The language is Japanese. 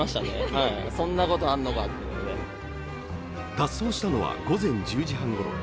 脱走したのは午前１０時半ごろ。